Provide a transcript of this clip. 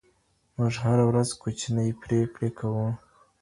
موږ هره ورځ کوچنۍ پرېکړې کوو.